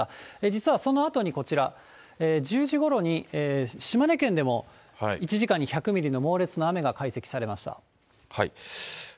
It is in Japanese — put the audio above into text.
実はそのあとにこちら、１０時ごろに島根県でも１時間に１００ミリの猛烈な雨が解析されました。